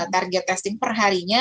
target testing perharinya